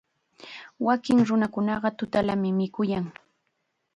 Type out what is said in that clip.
Wakin nunakunaqa tutallam mikuyan.